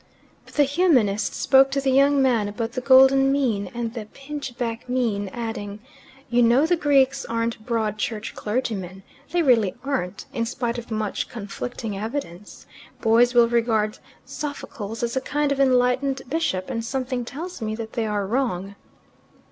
But the humanist spoke to the young man about the golden mean and the pinchbeck mean, adding, "You know the Greeks aren't broad church clergymen. They really aren't, in spite of much conflicting evidence. Boys will regard Sophocles as a kind of enlightened bishop, and something tells me that they are wrong."